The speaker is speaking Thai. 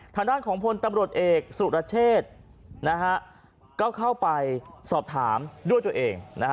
ทางด้านของพลตำรวจเอกสุรเชษก็เข้าไปสอบถามด้วยตัวเอง